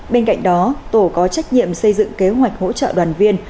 bên cạnh đó tổ có trách nhiệm xây dựng kế hoạch hỗ trợ đoàn viên